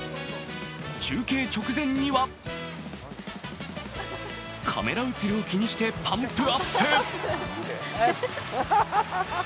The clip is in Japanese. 中継直前には、カメラ写りを気にしてパンプアップ。